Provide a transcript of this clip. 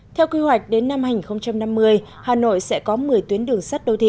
theo quy hoạch đến năm hai nghìn năm mươi hà nội sẽ có một mươi tuyến đường sắt đô thị